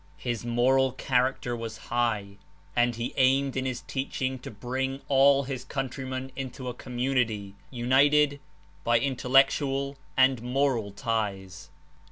His moral character was high, and he aimed in his teach ing to bring all his countrymen into a community, united by intellectual and moral ties."